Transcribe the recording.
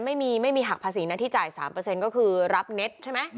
ไม่มีไม่มีหักภาษีหน้าที่จ่ายสามเปอร์เซ็นต์ก็คือรับเน็ตใช่ไหมอืม